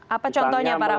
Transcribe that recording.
apa contohnya pak rahmat